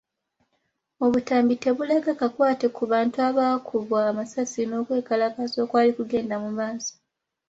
Obutambi tebulaga kakwate ku bantu abaakubwa amasasi n’okwekalakaasa okwali kugenda mu maaso .